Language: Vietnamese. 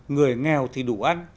người nghèo thì đủ ăn